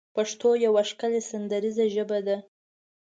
پښتو يوه ښکلې سندريزه ژبه ده